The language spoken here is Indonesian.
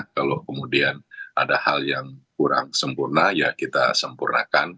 kalau kemudian ada hal yang kurang sempurna ya kita sempurnakan